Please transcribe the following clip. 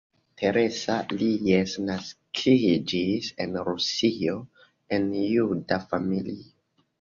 Teresa Ries naskiĝis en Rusio en juda familio.